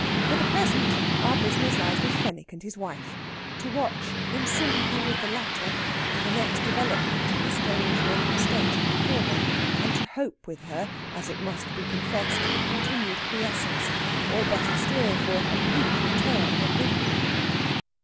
For the present our business lies with Fenwick and his wife; to watch, in sympathy with the latter, for the next development in the strange mental state of the former, and to hope with her, as it must be confessed, for continued quiescence; or, better still, for a complete return of oblivion.